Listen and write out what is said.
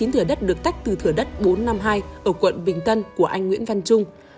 chín thửa đất được tách từ thửa đất bốn trăm năm mươi hai ở quận bình tân của anh nguyễn văn trung